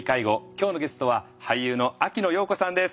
今日のゲストは俳優の秋野暢子さんです。